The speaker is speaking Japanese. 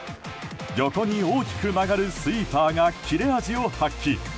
横に大きく曲がるスイーパーが切れ味を発揮。